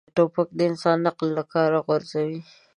توپک د انسان عقل له کاره غورځوي.